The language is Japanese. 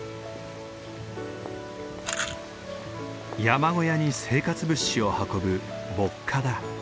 山小屋に生活物資を運ぶ歩荷だ。